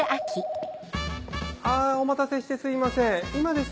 あぁお待たせしてすいません今ですね。